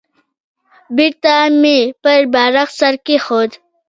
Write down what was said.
بېرته مې پر بالښت سر کېښود.